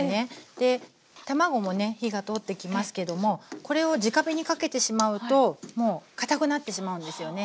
で卵もね火が通ってきますけどもこれをじか火にかけてしまうともうかたくなってしまうんですよね。